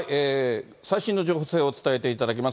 最新の情勢を伝えていただきます。